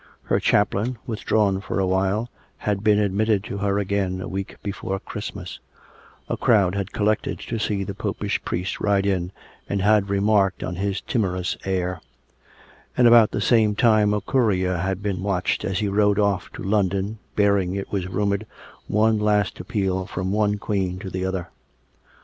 Her chaplain, withdrawn for a while, had been admitted to her again a week before Christ mas ; a crowd had collected to see the Popish priest ride in, and had remarked on his timorous air; and about the same time a courier had been watched as he rode oflf to London, bearing, it was rumoured, one last appeal from one Queen to the other.